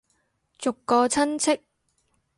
逐個親戚